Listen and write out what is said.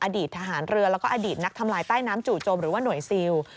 อดีตทหารเรือแล้วก็อดีตนักทำลายใต้น้ำจู่จมหรือว่าหน่วยซิล